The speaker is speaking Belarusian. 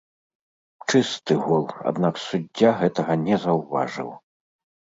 Чысты гол, аднак суддзя гэтага не заўважыў.